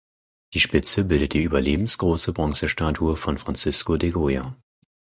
Die Spitze bildet die überlebensgroße Bronzestatue von Francisco de Goya.